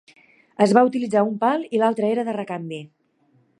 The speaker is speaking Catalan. Es va utilitzar un pal i l'altre era de recanvi.